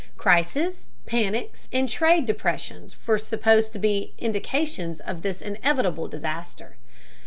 Crises, panics, and trade depressions were supposed to be indications of this inevitable disaster.